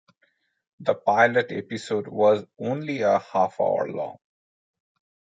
The pilot episode was only a half-hour long.